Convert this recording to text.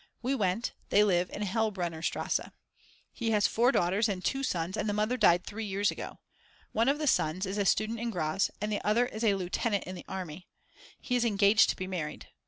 We went, they live in the Hellbrunnerstrasse. He has 4 daughters and 2 sons and the mother died three years ago. One of the sons is a student in Graz and the other is a lieutenant in the army; he is engaged to be married.